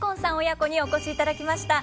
親子にお越しいただきました。